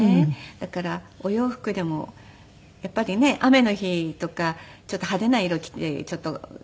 だからお洋服でもやっぱりね雨の日とかちょっと派手な色着てちょっとねえ。